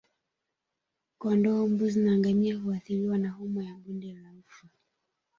Kondoo mbuzi na ngamia huathiriwa na homa ya bonde la ufa